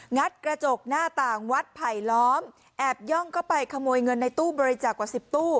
ัดกระจกหน้าต่างวัดไผลล้อมแอบย่องเข้าไปขโมยเงินในตู้บริจาคกว่าสิบตู้